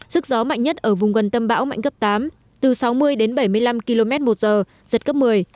sức gió mạnh nhất ở vùng gần tâm bão mạnh cấp tám từ sáu mươi đến bảy mươi năm km một giờ giật cấp một mươi